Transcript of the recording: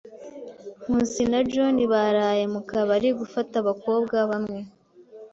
Nkusi na John baraye mu kabari gufata abakobwa bamwe.